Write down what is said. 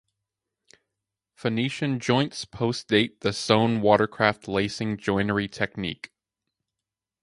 Phoenician joints postdate the sewn watercraft lacing joinery technique.